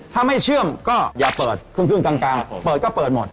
ถ้าไม่เชื่อมก็อย่าเปิดครึ่งกลางเปิดก็เปิดหมด